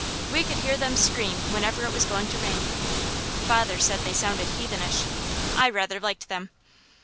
We could hear them scream whenever it was going to rain. Father said they sounded heathenish. I rather liked them.